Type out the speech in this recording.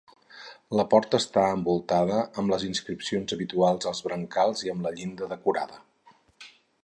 La porta està envoltada amb les inscripcions habituals als brancals i amb la llinda decorada.